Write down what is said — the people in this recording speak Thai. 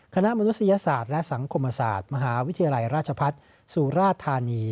มนุษยศาสตร์และสังคมศาสตร์มหาวิทยาลัยราชพัฒน์สุราธานี